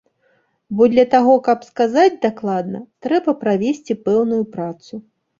Бо для таго каб сказаць дакладна, трэба правесці пэўную працу.